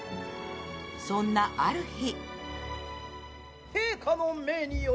そんなある日。